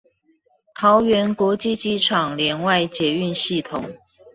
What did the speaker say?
桃園國際機場聯外捷運系統